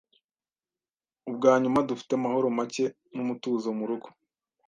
Ubwanyuma, dufite amahoro make n'umutuzo murugo.